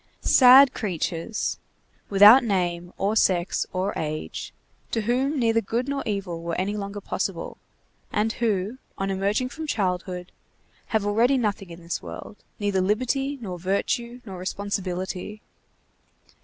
Sad creatures, without name, or sex, or age, to whom neither good nor evil were any longer possible, and who, on emerging from childhood, have already nothing in this world, neither liberty, nor virtue, nor responsibility.